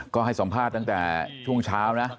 ก็ให้สัมภาษณ์ตั้งแต่ช่วงเช้านะ